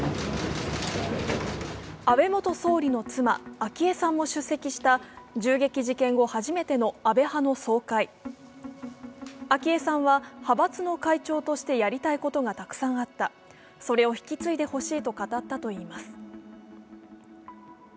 安倍元総理の妻、昭恵さんも出席した銃撃事件後、初めての安倍派の総会昭恵さんは派閥の会長としてやりたいことがたくさんあった、それを引き継いでほしいと語ったといいます。